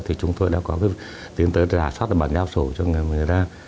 thì chúng tôi đã có tiến tới rà soát cái bản giao sổ cho người ta